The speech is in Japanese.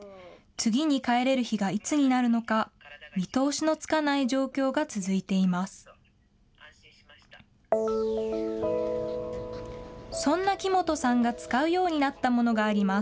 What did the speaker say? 次に帰れる日がいつになるのか、見通しのつかない状況が続いています。